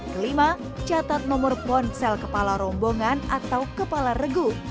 kelima catat nomor ponsel kepala rombongan atau kepala regu